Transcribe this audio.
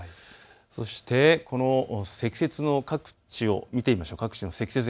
そして、各地の積雪を見てみましょう。